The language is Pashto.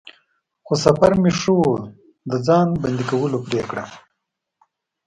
خو سفر مو ښه و، د د ځان بندی کولو پرېکړه.